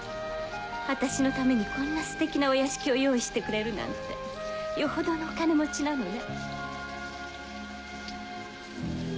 私のためにこんなステキなお屋敷を用意してくれるなんてよほどのお金持ちなのね。